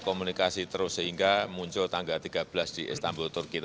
komunikasi terus sehingga muncul tanggal tiga belas di istanbul turki